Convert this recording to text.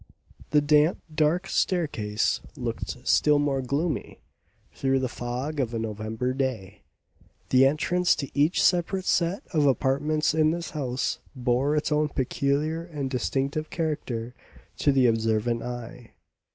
The damp, dark staircase looked still more gloomy through the fog of a November day. The entrance to each separate set of apartments in this house bore its own peculiar and distinctive character to the observant eye.